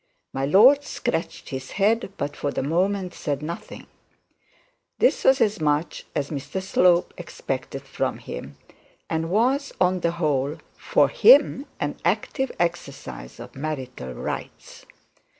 My lord scratched his head, but for the moment said nothing. This was as much as Mr Slope expected from him, and was on the whole, for him, an active exercise of marital rights.